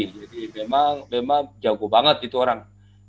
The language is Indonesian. jadi memang jago banget itu orang